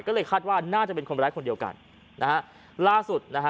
ก็เลยคาดว่าน่าจะเป็นคนร้ายคนเดียวกันนะฮะล่าสุดนะฮะ